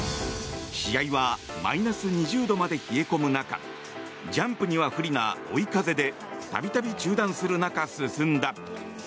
試合はマイナス２０度まで冷え込む中ジャンプには不利な追い風で度々中断する中、進んだ。